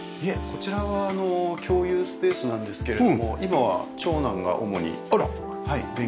こちらは共有スペースなんですけれども今は長男が主に勉強スペースで使ってます。